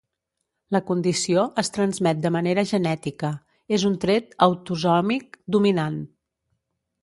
La condició es transmet de manera genètica, és un tret autosòmic dominant.